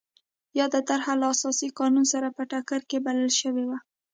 یاده طرحه له اساسي قانون سره په ټکر کې بلل شوې وه.